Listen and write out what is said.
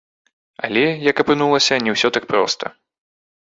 Але, як апынулася, не ўсё так проста.